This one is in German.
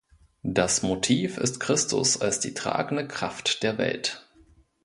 Das Motiv ist Christus als die tragende Kraft der Welt.